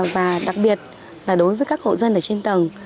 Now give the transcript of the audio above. và đặc biệt là đối với các hộ dân ở trên tầng